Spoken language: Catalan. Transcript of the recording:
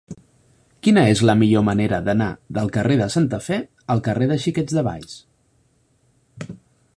Quina és la millor manera d'anar del carrer de Santa Fe al carrer dels Xiquets de Valls?